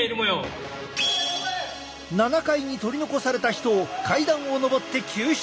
７階に取り残された人を階段を上って救出！